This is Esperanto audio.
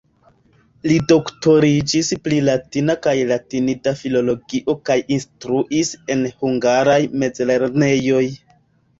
Li doktoriĝis pri latina kaj latinida filologio kaj instruis en hungaraj mezlernejoj.